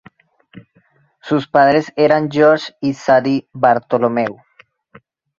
Sus padres eran George y Sadie Bartholomew.